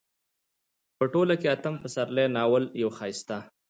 په ټوله کې اتم پسرلی ناول يو ښايسته